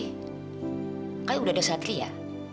kayaknya udah ada satria